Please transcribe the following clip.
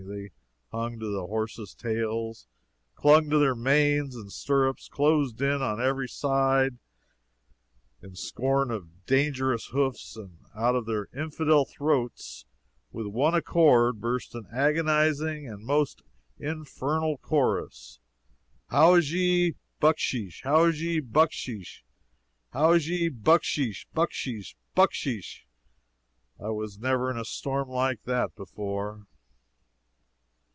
They hung to the horses's tails, clung to their manes and the stirrups, closed in on every aide in scorn of dangerous hoofs and out of their infidel throats, with one accord, burst an agonizing and most infernal chorus: "Howajji, bucksheesh! howajji, bucksheesh! howajji, bucksheesh! bucksheesh! bucksheesh!" I never was in a storm like that before.